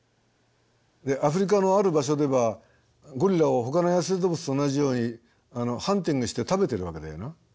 アフリカのある場所ではゴリラをほかの野生動物と同じようにハンティングして食べてるわけだよな。